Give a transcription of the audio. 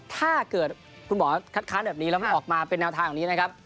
ถ้าเกิดคุณหมอคัดค้านแบบนี้แล้วไม่ออกมาเป็นแนวทางแบบนี้นะครับ